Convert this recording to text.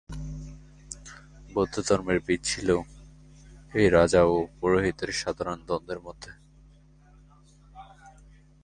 বৌদ্ধধর্মের বীজ ছিল এই রাজা ও পুরোহিতের সাধারণ দ্বন্দ্বের মধ্যে।